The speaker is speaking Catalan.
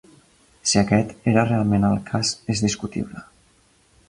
Si aquest era realment el cas és discutible.